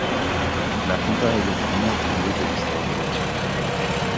L'attentat est le plus meurtrier de l'histoire de la Turquie.